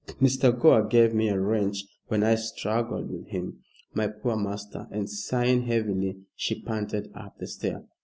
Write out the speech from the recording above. "Mr. Gore gave me a wrench when I struggled with him. My poor master," and sighing heavily, she panted up the stair.